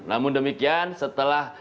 namun demikian setelah